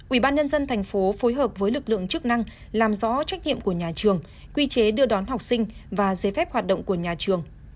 ủy ban nhân dân thành phố phối hợp với lực lượng chức năng làm rõ trách nhiệm của nhà trường quy chế đưa đón học sinh và giấy phép hoạt động của nhà trường